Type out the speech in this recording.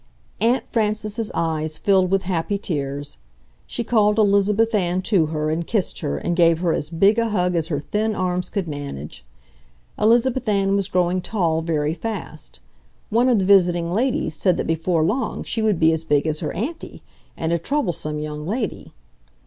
Aunt Frances's eyes filled with happy tears. She called Elizabeth Ann to her and kissed her and gave her as big a hug as her thin arms could manage. Elizabeth Ann was growing tall very fast. One of the visiting ladies said that before long she would be as big as her auntie, and a troublesome young lady.